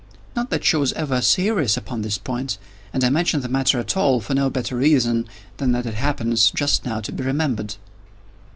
Not that she was ever serious upon this point—and I mention the matter at all for no better reason than that it happens, just now, to be remembered.